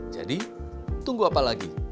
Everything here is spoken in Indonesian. jadi tunggu apa lagi